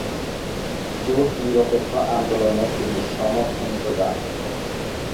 জোট-নিরপেক্ষ আন্দোলনে তিনি সমর্থন যোগান।